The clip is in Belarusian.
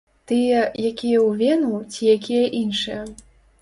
Тыя, якія ў вену, ці якія іншыя?